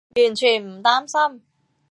完全唔擔心